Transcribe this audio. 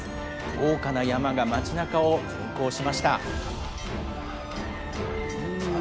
豪華な曳山が街なかを巡行しました。